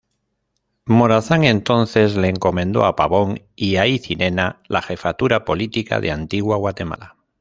Morazán entonces le encomendó a Pavón y Aycinena la jefatura política de Antigua Guatemala.